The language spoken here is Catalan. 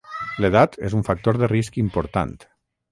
L'edat és un factor de risc important.